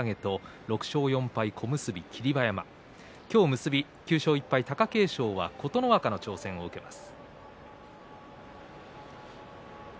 結び、大関貴景勝は小結琴ノ若の挑戦を受けます。